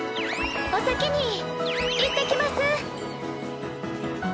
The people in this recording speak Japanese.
お先に行ってきます。